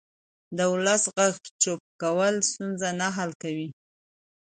د ولس غږ چوپ کول ستونزې نه حل کوي